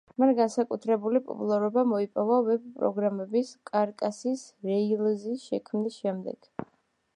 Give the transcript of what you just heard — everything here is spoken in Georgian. მან განსაკუთრებული პოპულარობა მოიპოვა ვებ-პროგრამირების კარკასის–„რეილზის“–შექმნის შემდეგ.